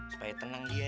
supaya tenang dia